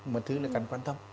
một thứ là cần quan tâm